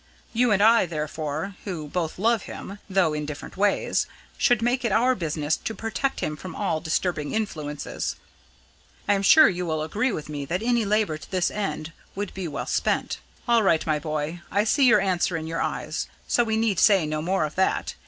You and I, therefore, who both love him, though in different ways, should make it our business to protect him from all disturbing influences. I am sure you will agree with me that any labour to this end would be well spent. All right, my boy! I see your answer in your eyes; so we need say no more of that.